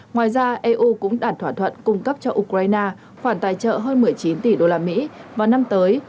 ngoài ra eu cũng đạt thỏa thuận cung cấp cho ukraine khoản tài trợ hơn một mươi chín tỷ usd vào năm tới